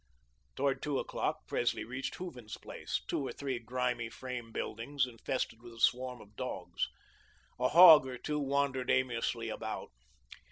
Toward two o'clock, Presley reached Hooven's place, two or three grimy frame buildings, infested with a swarm of dogs. A hog or two wandered aimlessly about.